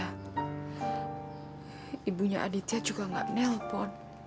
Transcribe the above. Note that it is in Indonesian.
ibunya aditya juga gak nelpon